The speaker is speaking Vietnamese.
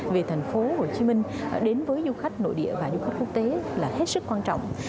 về thành phố hồ chí minh đến với du khách nội địa và du khách quốc tế là hết sức quan trọng